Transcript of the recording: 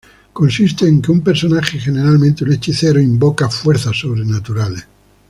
Consiste en que un personaje, generalmente un hechicero, invoca fuerzas sobrenaturales.